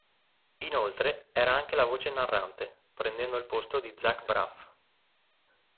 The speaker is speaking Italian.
Inoltre era anche la voce narrante, prendendo il posto di Zach Braff.